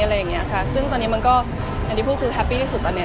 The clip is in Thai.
อะไรอย่างนี้ค่ะซึ่งตอนนี้มันก็แบบคือแฮปปี้เยอะสุดตอนนี้ค่ะ